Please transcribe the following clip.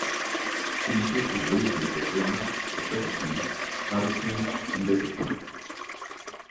It includes the villages of Illnau, Effretikon, Ottikon and Bisikon.